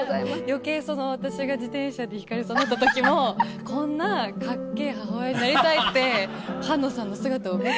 余計私が自転車でひかれそうになった時もこんなカッケェ母親になりたいって菅野さんの姿を見て。